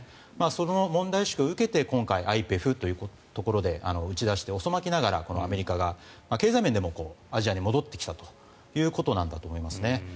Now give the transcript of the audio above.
その問題意識を受けて以降今回、ＩＰＥＦというところで打ち出して、遅まきながらアメリカが経済面でもアジアに戻ってきたということなんだと思います。